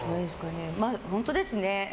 本当ですね。